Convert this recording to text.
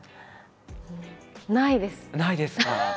ないですか？